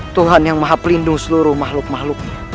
tuhan yang maha pelindung seluruh makhluk makhluknya